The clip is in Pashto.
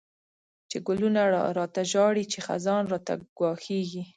چی ګلونه ړاته ژاړی، چی خزان راته ګواښيږی